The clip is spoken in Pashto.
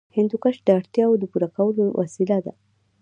هندوکش د اړتیاوو د پوره کولو وسیله ده.